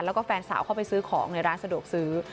แล้วก็แฟนสาวเข้าไปซื้อของในร้านสะดวกซื้อ